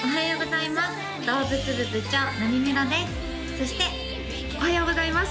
そしておはようございます